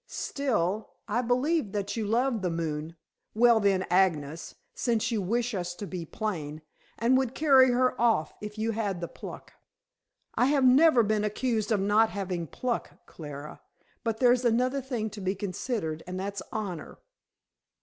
Still, I believed that you loved the moon well, then, Agnes, since you wish us to be plain and would carry her off if you had the pluck." "I have never been accused of not having pluck, Clara. But there's another thing to be considered, and that's honor."